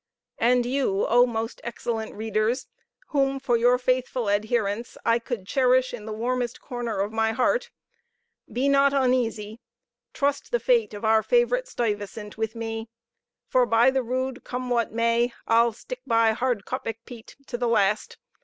And you, O most excellent readers, whom, for your faithful adherence, I could cherish in the warmest corner of my heart, be not uneasy trust the fate of our favorite Stuyvesant with me; for by the rood, come what may, I'll stick by Hardkoppig Piet to the last.